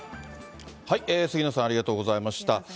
杉野さん、ありがとうございました。